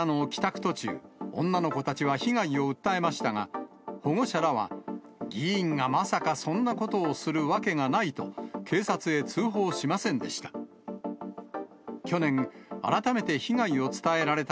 途中、女の子たちは被害を訴えましたが、保護者らは、議員がまさかそんなことをするわけがないと、警察へ通報しませんでした。